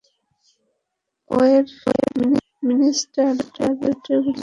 Web minister অ্যাবেতে গুচিগুচি লন্ডনের ওয়েব মিনিস্টার অ্যাবেতে আসছে নিজের শো করতে।